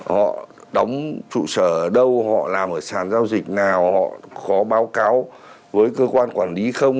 họ đóng trụ sở ở đâu họ làm ở sàn giao dịch nào họ có báo cáo với cơ quan quản lý không